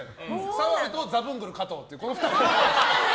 澤部とザブングル加藤っていうこの２人で。